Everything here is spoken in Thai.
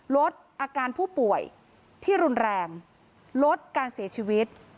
ลดอาการผู้ป่วยที่รุนแรงลดการเสียชีวิต